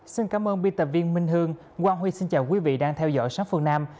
xin cảm ơn biên tập viên minh hương quang huy xin chào quý vị đang theo dõi sát phương nam